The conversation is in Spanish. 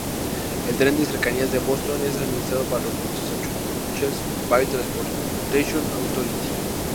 El Tren de Cercanías de Boston es administrado por la Massachusetts Bay Transportation Authority.